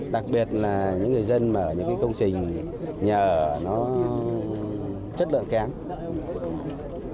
đặc biệt là những người dân mở những công trình nhà ở chất lượng kém